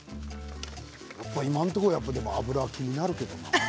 今のところ油気になるけどな。